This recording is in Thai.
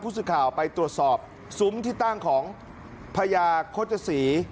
สื่อข่าวไปตรวจสอบซุ้มที่ตั้งของพญาโฆษศรี